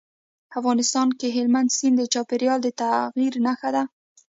افغانستان کې هلمند سیند د چاپېریال د تغیر نښه ده.